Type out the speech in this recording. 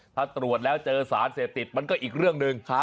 ถ้าตรวจแล้วเจอสารเสพติดมันก็อีกเรื่องหนึ่ง